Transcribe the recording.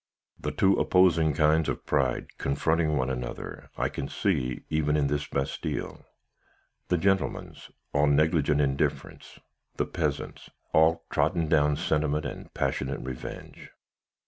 The two opposing kinds of pride confronting one another, I can see, even in this Bastille; the gentleman's, all negligent indifference; the peasant's, all trodden down sentiment, and passionate revenge.